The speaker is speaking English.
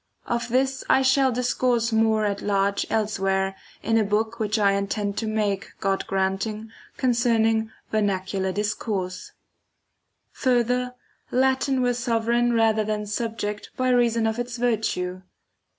Of this I shall discourse more at large elsewhere, in a book which I intend to make, God granting, concerning Vernacular Discourse [^703. ii. Further, Latin were sovran rather than subject, by reason of its virtue.